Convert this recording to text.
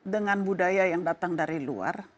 dengan budaya yang datang dari luar